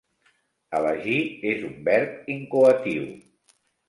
'Elegir' és un verb incoatiu.